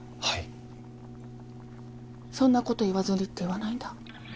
はい「そんなこと言わずに」って言わないんだ？